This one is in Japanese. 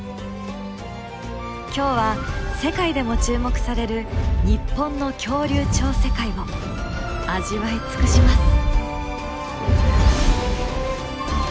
今日は世界でも注目される日本の恐竜超世界を味わい尽くします！